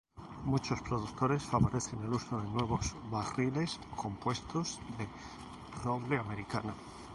Muchos productores favorecen el uso de nuevos barriles compuestos de roble americano.